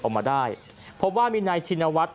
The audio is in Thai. ออกมาได้พบว่ามีนายชินวัฒน์